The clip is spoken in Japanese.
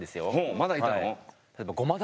まだいたの？